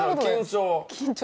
緊張。